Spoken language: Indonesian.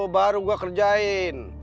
baru gue kerjain